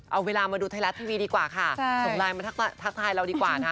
เอาเวลามาดูไทยรัฐทีวีดีกว่าค่ะส่งไลน์มาทักทายเราดีกว่านะคะ